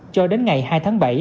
cho đến ngày hai tháng bảy